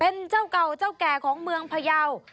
เป็นเจ้าเก่าเจ้าแก่ของเมืองพยาว